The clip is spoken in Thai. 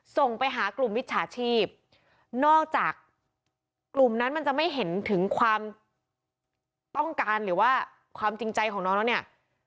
ส่งไปหากลุ่มมิจฉาชีพนอกจากกลุ่มนั้นมันจะไม่เห็นถึงความต้องการหรือว่าความจริงใจของน้องแล้วเนี่ย